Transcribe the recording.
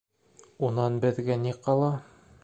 Унан беҙгә ни ҡала.